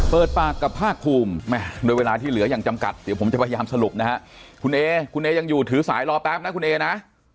เปิดปากกับภาคภูมิโดยเวลาที่เหลืออย่างจำกัดเดี๋ยวผมจะพยายามสรุปนะฮะคุณเอคุณเอยังอยู่ถือสายรอแป๊บนะคุณเอนะ